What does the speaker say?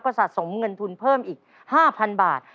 สะสมเงินทุนเพิ่มอีก๕๐๐๐บาท